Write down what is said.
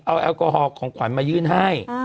เอาแอลกอฮอลของขวัญมายื่นให้